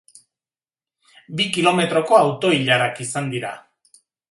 Bi kilometroko auto-ilarak izan dira.